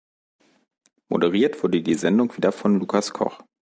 Moderiert wurde die Sendung wieder von Lukas Koch.